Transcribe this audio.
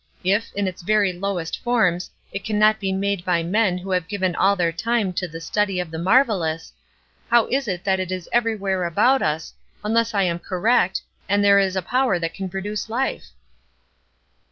If, in its very lowest forms, it cannot be made by men who have given all their time to the study of the marvellous, how is it that it is everywhere about us, unless I am correct, and there is a Power that can produce life?"